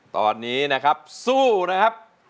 ตอนนี้นะครับสู้นะครับ